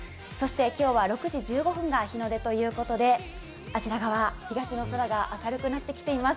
今日は６時１５分が日の出ということであちら側、東の空が明るくなってきています。